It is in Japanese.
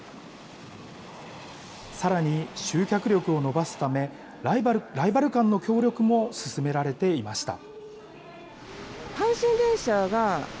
さらに集客力を伸ばすため、ライバル間の協力も進められていました。